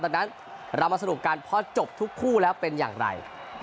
ตอนนั้นเรามาสรุปกันเพราะจบทุกคู่แล้วเป็นอย่างไร